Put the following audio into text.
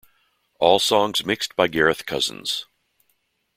All songs mixed by Gareth Cousins.